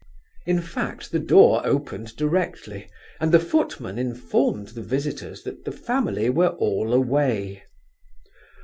In fact, the door opened directly, and the footman informed the visitors that the family were all away.